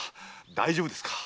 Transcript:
大丈夫ですか？